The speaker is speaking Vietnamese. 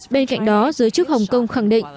bên cạnh đó giới chức hồng kông khẳng định